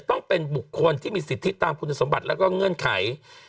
ต้องเป็นบุคคลที่มีสิทธิตามคุณสมบัติแล้วก็เงื่อนไข